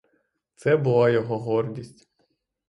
Це була його гордість.